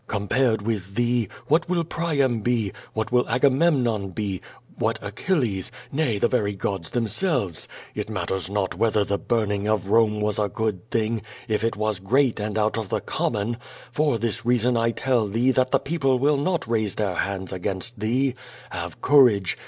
Compared with thee, what will Priam be? What will Agamemnon be, what Achilles — nay, the very gods themselves? It matters not whether the burning of Rome was a good thing, if it was great and out of the common. For this reason I tell thee tliflt the people will not raise their hands against thee. Have courage.